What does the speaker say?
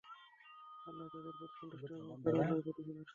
আল্লাহ তাদের প্রতি সন্তুষ্ট এবং তারাও আল্লাহর প্রতি সন্তুষ্ট।